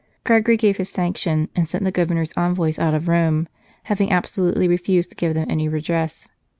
Gregory gave his sanction, and sent the Governor s envoys out of Rome, having abso lutely refused to give them any redress.